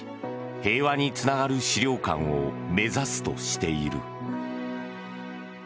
平和につながる資料館を目指すとしている。